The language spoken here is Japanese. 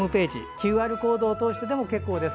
ＱＲコードを通してでも結構です。